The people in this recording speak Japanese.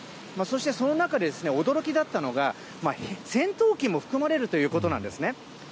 そして、その中で驚きだったのが、戦闘機も含まれるということです。